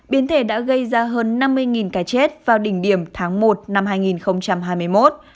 biến thể đã gây ra hơn năm mươi ca chết vào đỉnh điểm tháng một năm hai nghìn hai mươi một